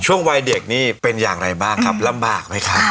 วัยเด็กนี่เป็นอย่างไรบ้างครับลำบากไหมครับ